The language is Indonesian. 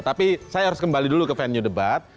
tapi saya harus kembali dulu ke venue debat